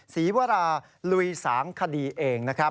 ศรีวราลุย๓คดีเองนะครับ